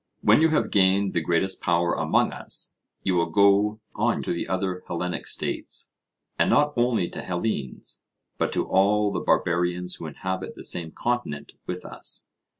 When you have gained the greatest power among us, you will go on to other Hellenic states, and not only to Hellenes, but to all the barbarians who inhabit the same continent with us.